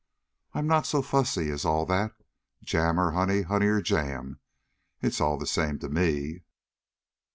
I'm not so fussy as all that. Jam or honey honey or jam, it's all the same to me."